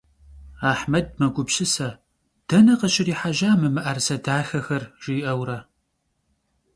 Ahmed megupsıse, dene khışriheja mı mı'erıse daxexer, jji'eure.